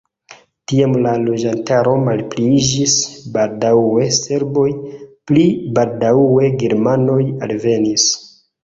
Tiam la loĝantaro malpliiĝis, baldaŭe serboj, pli baldaŭe germanoj alvenis.